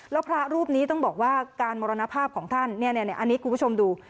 แล้วพระรูปนี้ต้องบอกว่าการมรณภาพของท่านเนี่ยเนี่ยเนี่ยอันนี้คุณผู้ชมดู